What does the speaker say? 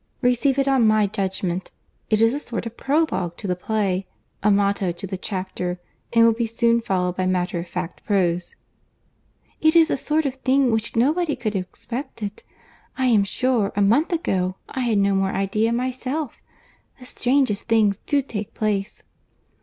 Receive it on my judgment. It is a sort of prologue to the play, a motto to the chapter; and will be soon followed by matter of fact prose." "It is a sort of thing which nobody could have expected. I am sure, a month ago, I had no more idea myself!—The strangest things do take place!"